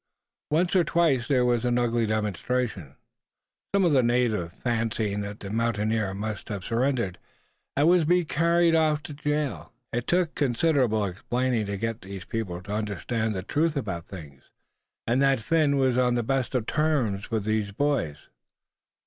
Once or twice there was an ugly demonstration, some of the natives fancying that the mountaineer must have surrendered, and was being carried off to jail. It took considerable explaining to get these people to understand the truth about things, and that Phin was on the best of terms with the boys.